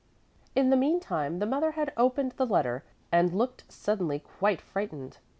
In the meantime the mother had opened the letter and looked suddenly quite frightened.